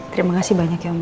terima kasih banyak ya om